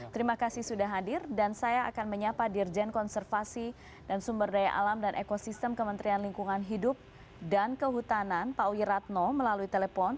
terima kasih sudah hadir dan saya akan menyapa dirjen konservasi dan sumber daya alam dan ekosistem kementerian lingkungan hidup dan kehutanan pak wiratno melalui telepon